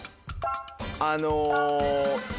あの。